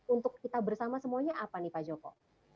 untuk kita bersama semuanya apa nih pak joko